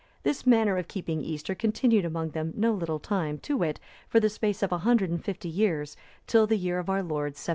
This manner of keeping Easter continued among them no little time, to wit, for the space of 150 years, till the year of our Lord 715.